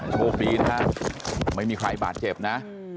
โชคดีนะฮะไม่มีใครบาดเจ็บนะ